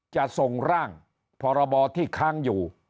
จะส่งร่างพรบที่ค้างอยู่